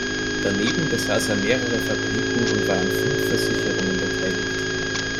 Daneben besaß er mehrere Fabriken und war an fünf Versicherungen beteiligt.